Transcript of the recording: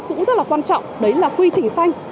cũng rất là quan trọng đấy là quy trình xanh